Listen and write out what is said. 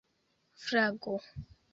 flago